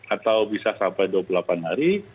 atau bisa sampai dua puluh delapan hari